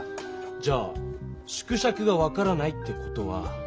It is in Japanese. じゃあ縮尺が分からないって事は。